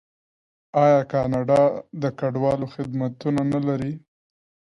آیا کاناډا د کډوالو خدمتونه نلري؟